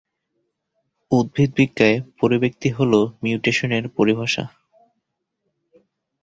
উদ্ভিদবিদ্যায় পরিব্যক্তি হল মিউটেশন-এর পরিভাষা।